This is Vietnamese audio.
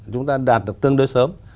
chúng ta đạt được tương đối sớm